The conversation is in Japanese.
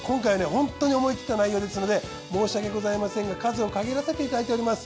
ホントに思い切った内容ですので申し訳ございませんが数を限らせていただいております。